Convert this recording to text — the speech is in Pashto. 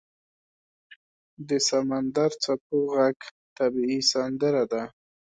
• د سمندر څپو ږغ طبیعي سندره ده.